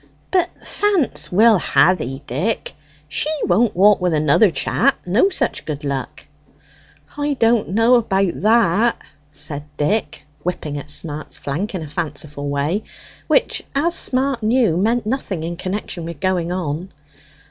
But Fance will ha' thee, Dick she won't walk with another chap no such good luck." "I don't know about that," said Dick, whipping at Smart's flank in a fanciful way, which, as Smart knew, meant nothing in connection with going on.